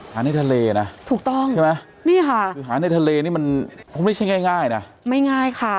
หาในทะเลนะนี่ค่ะคือหาในทะเลนี่มันคงไม่ใช่ง่ายนะไม่ง่ายค่ะ